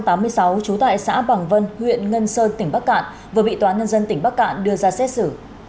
trú tại xã bằng vân huyện ngân sơn tỉnh bắc cạn vừa bị tòa nhân dân tỉnh bắc cạn đưa ra xét xử